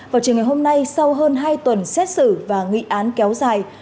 vào trường ngày hôm nay sau hơn hai tuần xét xử và nghị án kéo dài